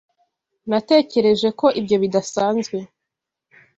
Natekereje ko ibyo bidasanzwe.